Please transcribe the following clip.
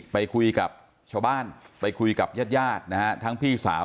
ไปคุยกับชาวบ้านไปคุยกับญาติญาตินะฮะทั้งพี่สาว